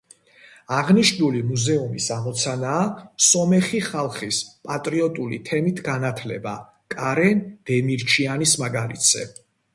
აღნიშნული მუზეუმის ამოცანაა სომეხი ხალხის პატრიოტული თემით განათლება კარენ დემირჩიანის მაგალითზე.